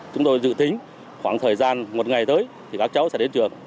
chúng tôi dự tính khoảng thời gian một ngày tới thì các cháu sẽ đến trường